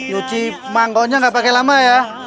cuci mangkoknya gak pake lama ya